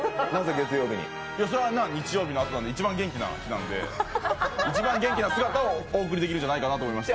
日曜日のあとなんで一番元気な日なんで、一番元気な姿をお送りできるんじゃないかと思いまして。